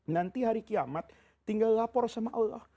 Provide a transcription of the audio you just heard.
nanti hari kiamat tinggal lapor sama allah